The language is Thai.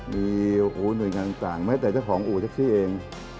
มีหน่วยงานต่างแม้แต่เจ้าของอู่แท็กซี่เอง